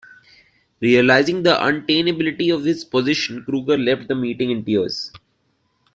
Realizing the untenability of his position, Kruger left the meeting in tears.